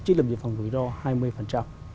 trích lập dự phòng quỷ ro hai mươi